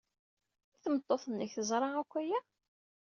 I tmeṭṭut-nnek, teẓra akk aya?